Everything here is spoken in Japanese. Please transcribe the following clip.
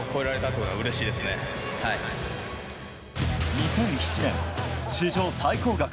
２００７年、史上最高額